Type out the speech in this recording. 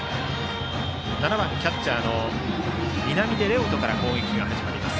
７番キャッチャーの南出玲丘人から攻撃が始まります。